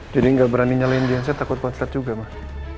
jadi gak berani nyalain dienset takut konslet juga mah